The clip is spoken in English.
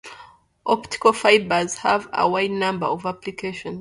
Optical fibers have a wide number of applications.